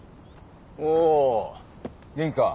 お元気か？